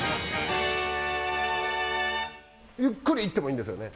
ゆっくり行ってもいいんですよね